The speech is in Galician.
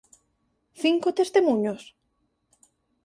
Cinco testemuños?